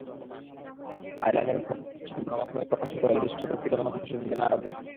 আয়লানের মরদেহের ছবি গণমাধ্যমে প্রকাশিত হলে বিশ্বব্যাপী গণমানুষের হৃদয় নাড়া দেয়।